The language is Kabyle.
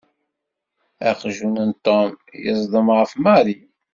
Aqjun n Tom yeẓḍem ɣef Mary.